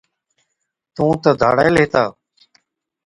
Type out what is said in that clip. تُون تہ ڌاڙيل هِتا،